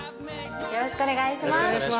よろしくお願いします。